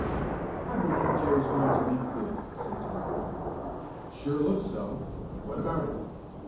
"I believe Joe is going to make good," he said to Rankin. "It sure looks so. What about it?"